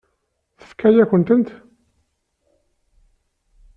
Tefka-yakent-tent.